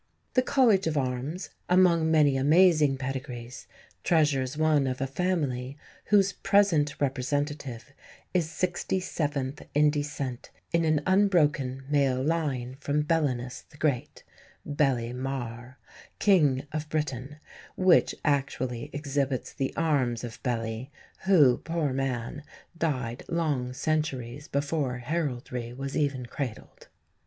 The College of Arms, among many amazing pedigrees, treasures one of a family "whose present representative is sixty seventh in descent in an unbroken male line from Belinus the Great (Beli Mawr), King of Britain," which actually exhibits the arms of Beli, who, poor man, died long centuries before heraldry was even cradled.